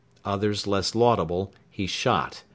Others less laudable he shot.